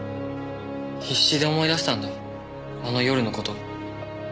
必死で思い出したんだあの夜の事。